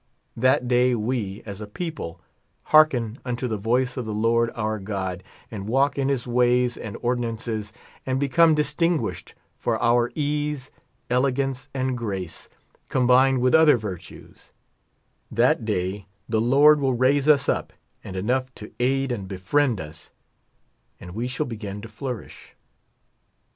That day we, as a people, hearken unto the voice of the Lord our C4od, and walk in his ways and ordinances, and become distinguished for our ease, elegance, and grace, combined with other virtues — that day the Lord will raise us up, and enough to aid and befriend us, and we shall begin to flourish.